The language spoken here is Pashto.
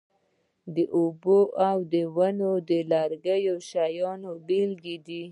اوبه او د ونې لرګي د دې شیانو بیلګې دي.